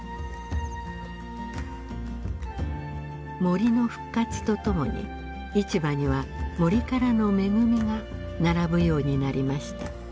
森の復活とともに市場には森からの恵みが並ぶようになりました。